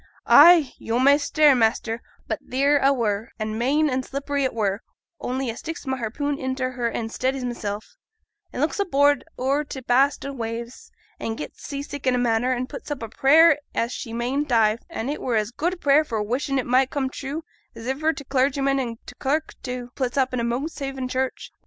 Ay! yo' may stare, master, but theere a were, an' main an' slippery it were, only a sticks my harpoon intil her an' steadies mysel', an' looks abroad o'er t' vast o' waves, and gets sea sick in a manner, an' puts up a prayer as she mayn't dive, and it were as good a prayer for wishin' it might come true as iver t' clargyman an' t' clerk too puts up i' Monkshaven church.